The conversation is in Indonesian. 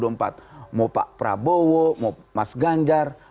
mau pak prabowo mau mas ganjar